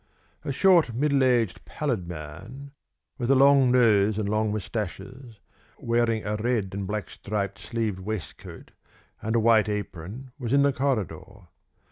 A short middle aged, pallid man, with a long nose and long moustaches, wearing a red and black striped sleeved waistcoat and a white apron, was in the corridor.